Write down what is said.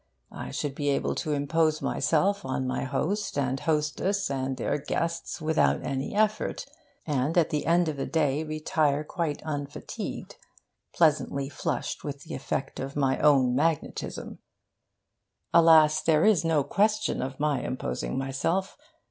I should be able to impose myself on my host and hostess and their guests without any effort, and at the end of the day retire quite unfatigued, pleasantly flushed with the effect of my own magnetism. Alas, there is no question of my imposing myself.